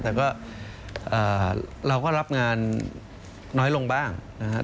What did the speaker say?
แต่ก็เราก็รับงานน้อยลงบ้างนะครับ